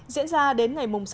diễn ra đến ngày mùng sáu